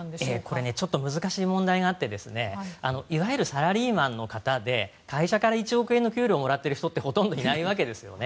これちょっと難しい問題があっていわゆるサラリーマンの方で会社から１億円の給料をもらっている人ってほとんどいないわけですよね。